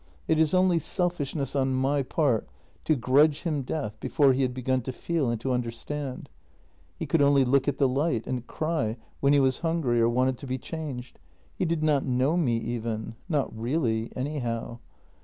It is only selfishness on my part to grudge him death before he had begun to feel and to understand. He could only look at the light and cry when he was hungry or wanted to be changed ; he did not know me even — not really, anyhow.